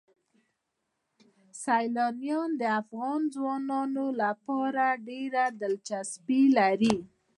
سیلاني ځایونه د افغان ځوانانو لپاره ډېره دلچسپي لري.